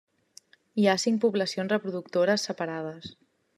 Hi ha cinc poblacions reproductores separades.